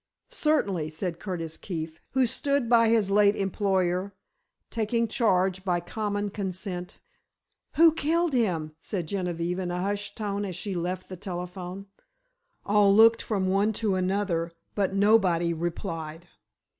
"Certainly," said Curtis Keefe, who stood by his late employer, taking charge, by common consent. "Who killed him?" said Genevieve, in a hushed tone, as she left the telephone. All looked from one to another, but nobody replied.